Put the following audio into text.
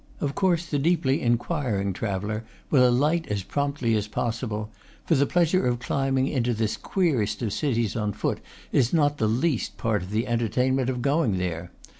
Of course the deeply inquiring traveller will alight as promptly as possible; for the pleasure of climbing into this queerest of cities on foot is not the least part of the entertainment of going there.